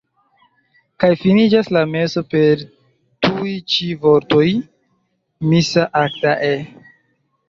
Kaj finiĝas la meso per tuj ĉi vortoj: "Missa acta est.